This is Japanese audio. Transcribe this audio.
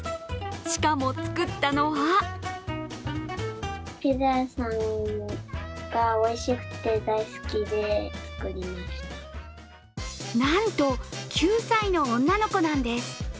しかも、作ったのはなんと、９歳の女の子なんです。